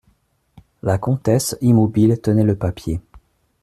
La comtesse, immobile, tenait le papier.